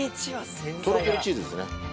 とろけるチーズですね。